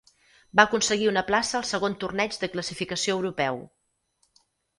Va aconseguir una plaça al segon torneig de classificació europeu.